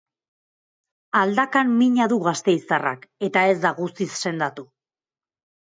Aldakan mina du gasteiztarrak eta ez da guztiz sendatu.